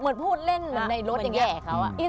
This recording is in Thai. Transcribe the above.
เหมือนพูดเล่นเหมือนในรถยื่นยาก